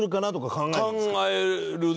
考えるね。